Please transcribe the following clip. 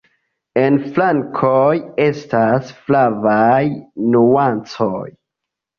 En flankoj estas flavaj nuancoj.